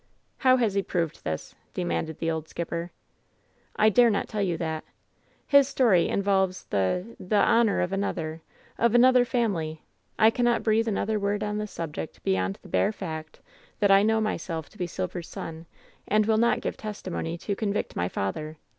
"How has he proved this ?" demanded the old skipper. "I dare not tell you that. His story involves the — ^the —honor of another— of another family. I cannot breathe another word on this subject beyond the bare fact that I know myself to be Silver's son, and will not give testimony to convict my father.